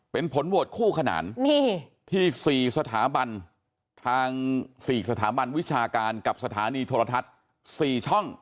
เป็นผลโหวตคู่ขนานที่๔สถาบันทาง๔สถาบันวิชาการกับสถานีโทรทัศน์๔ช่อง